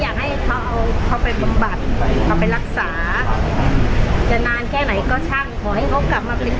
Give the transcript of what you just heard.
อยากให้เขาเอาเขาไปบำบัด